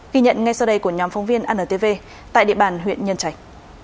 ghi nhận ngay sau đây của nhóm phóng viên antv tại địa bàn huyện nhân trạch